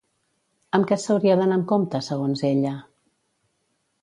Amb què s'hauria d'anar amb compte, segons ella?